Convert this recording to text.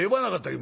今」。